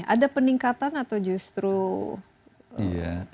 ada peningkatan atau justru masih memprihatinkan